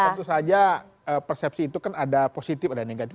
tentu saja persepsi itu kan ada positif ada yang negatif